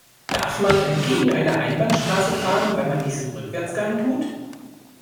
Darf man entgegen einer Einbahnstraße fahren, wenn man dies im Rückwärtsgang tut?